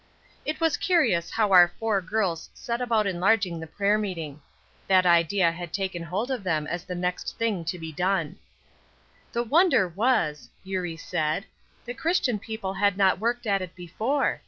IT was curious how our four girls set about enlarging the prayer meeting. That idea had taken hold of them as the next thing to be done. "The wonder was," Eurie said, "that Christian people had not worked at it before.